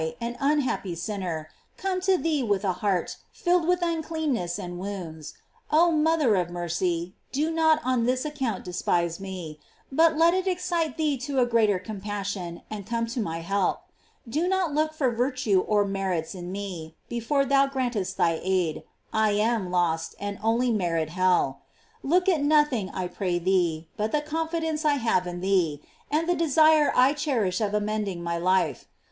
I, an unhappy sinner, GLORIES OF MARY. 141 come to thee with a heart filled with unclean ness and wounds. Oh mother of mercy, do not on this account despise me, but let it excite thee to a greater compassion, and come to my help. Do not look for virtue or merits in me before thou grantest me thy aid ; I am lost, and only merit hell. Look at nothing, I pray thee, but the confidence I have in thee, and the desire I cherish of amending my life.